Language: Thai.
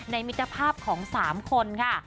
มิตรภาพของ๓คนค่ะ